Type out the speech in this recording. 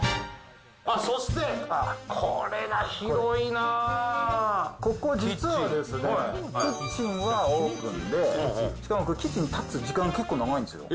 そして、ここ実はですね、キッチンはオープンで、しかもこれ、キッチンに立つ時間が結構長いんですよ。